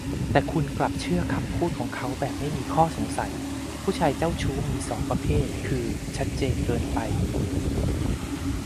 แต่คุณกลับเชื่อคำพูดของเขาแบบไม่มีข้อสงสัย ผู้ชายเจ้าชู้มี สอง ประเภท คือ ชัดเจนเกินไป